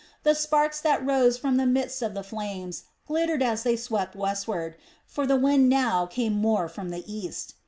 The sparks that rose from the midst of the flames glittered as they swept westward; for the wind now came more from the east.